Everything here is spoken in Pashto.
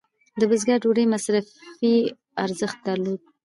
د بزګر ډوډۍ مصرفي ارزښت درلود.